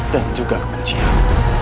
dan juga kebencian